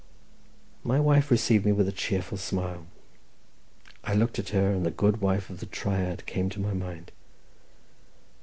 My wife received me with a cheerful smile. I looked at her, and the good wife of the Triad came to my mind.